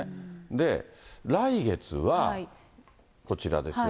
で、来月はこちらですよね。